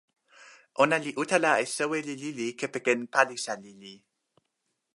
ona li utala e soweli lili kepeken palisa lili.